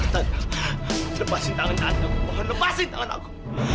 tante lepasin tangan tante mohon lepasin tangan aku